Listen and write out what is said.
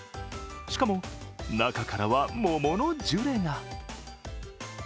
しかも、中からは桃のジュレが。